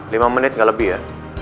lima menit nggak lebih ya